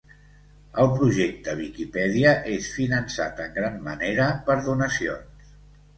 El projecte Viquipèdia és finançat en gran manera per donacions.